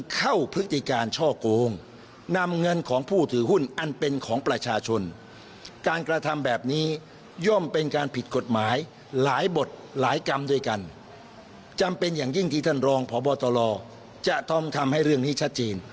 คุณชูวิทย์บอกอีกว่าวันจันนี้แหละ